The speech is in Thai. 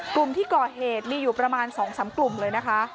กลุ่มที่ก่อเหตุมีอยู่ประมาณ๒๓กลุ่มเลยนะคะ